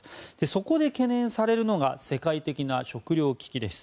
そこで懸念されるのが世界的な食糧危機です。